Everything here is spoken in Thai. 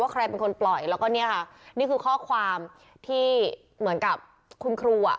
ใครเป็นคนปล่อยแล้วก็เนี่ยค่ะนี่คือข้อความที่เหมือนกับคุณครูอ่ะ